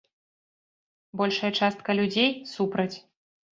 Большасць частка людзей супраць.